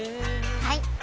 はい！